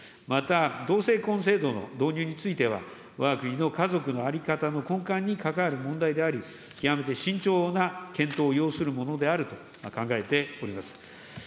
また、同性婚制度の導入については、わが国の家族の在り方の根幹に関わる問題であり、極めて慎重な検討を要するものであると考えております。